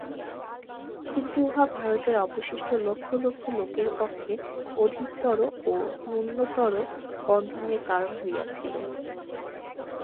কিন্তু উহা ভারতের অবশিষ্ট লক্ষ লক্ষ লোকের পক্ষে অধিকতর ও নূতনতর বন্ধনের কারণ হইয়াছিল।